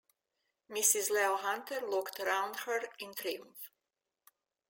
Mrs. Leo Hunter looked round her in triumph.